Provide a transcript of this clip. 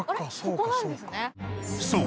［そう。